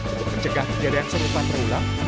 untuk mencegah kejadian serupa terulang